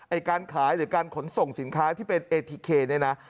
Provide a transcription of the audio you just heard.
การขายหรือการขนส่งสินค้าที่เป็นเอทีเคเนี่ยนะ